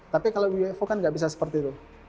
tapi kalau ufo kan nggak bisa seperti itu